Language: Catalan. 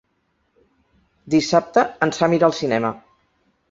Dissabte en Sam irà al cinema.